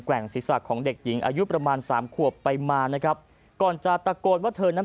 ่งศีรษะของเด็กหญิงอายุประมาณสามขวบไปมานะครับก่อนจะตะโกนว่าเธอนั้น